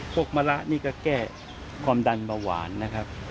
มะละนี่ก็แก้ความดันเบาหวานนะครับ